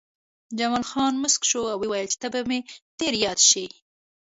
جمال خان موسک شو او وویل چې ته به مې ډېر یاد شې